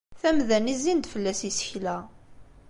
Tamda-nni zzin-d fell-as yisekla.